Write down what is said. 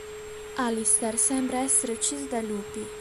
Alistair sembra essere ucciso dai lupi.